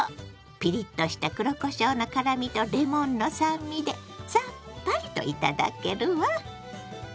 ピリッとした黒こしょうの辛みとレモンの酸味でさっぱりと頂けるわ。